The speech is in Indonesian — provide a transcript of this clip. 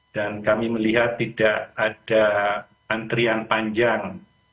kami melihat tidak ada antrian panjang